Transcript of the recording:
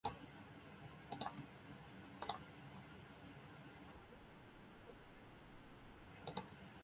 君の叫びで僕は目覚める